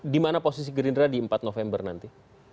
di mana posisi gerindra di empat november nanti